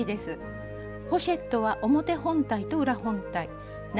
ポシェットは表本体と裏本体長